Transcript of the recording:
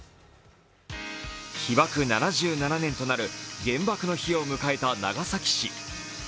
被爆７７年となる原爆の日を迎えた長崎市。